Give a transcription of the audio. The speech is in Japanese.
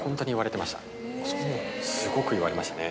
すごく言われましたね。